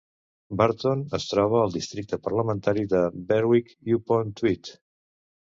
Burton es troba al districte parlamentari de Berwick-upon-Tweed.